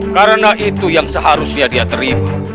karena itu yang seharusnya dia terima